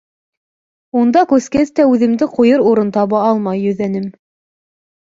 Унда күскәс тә үҙемде ҡуйыр урын таба алмай йөҙәнем.